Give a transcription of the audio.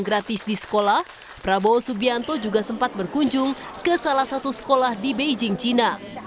gratis di sekolah prabowo subianto juga sempat berkunjung ke salah satu sekolah di beijing cina